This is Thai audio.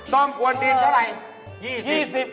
ซ่อมหัวดินเท่าไร